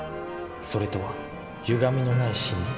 「それ」とはゆがみのない真理。